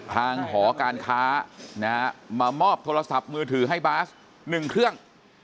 หอการค้ามามอบโทรศัพท์มือถือให้บาส๑เครื่อง